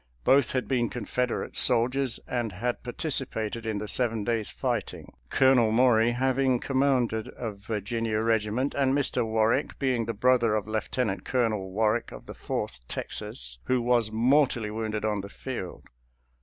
Both had been Confederate soldiers and had participated in the seven days' fighting— Colonel Maury having commanded a Virginia regiment and Mr. Warwick being the brother of Lieu tenant Colonel Warwick of the Fourth Texas, who was mortally wounded on the field.